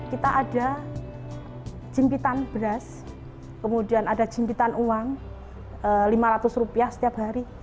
kita ada jimpitan beras kemudian ada jimpitan uang lima ratus rupiah setiap hari